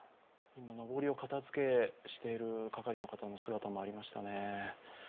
のぼりを片付けている係の方の姿もありましたね。